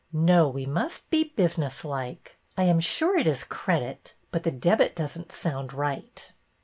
No, we must be business like. I am sure it is Credit, but the Debit does n't sound right."